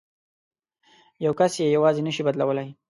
یو کس یې یوازې نه شي بدلولای.